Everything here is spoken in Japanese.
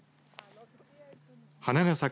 花が咲く